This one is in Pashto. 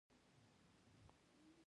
زه افغان پلو ښه پخوم